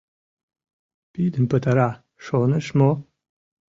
Пидын пытара, шоныш мо?